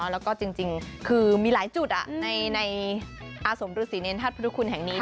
แล้วก็จริงคือมีหลายจุดในอาสมฤษีเนรธาตุพุทธคุณแห่งนี้